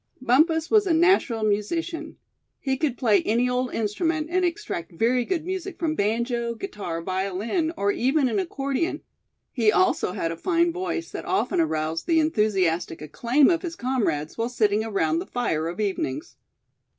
Bumpus was a natural musician. He could play "any old instrument," and extract very good music from banjo, guitar, violin, or even an accordion; he also had a fine voice that often aroused the enthusiastic acclaim of his comrades while sitting around the fire of evenings.